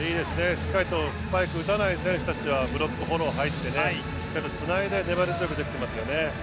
しっかりとスパイク打たない選手たちはブロックフォローに入ってしっかりつないで粘り強くできていますよね。